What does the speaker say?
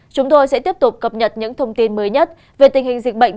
chúng tôi sẽ tiếp tục cập nhật những thông tin mới nhất về tình hình dịch bệnh